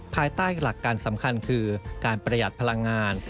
ภายใต้หลักการสำคัญคือการประหยัดพลังงาน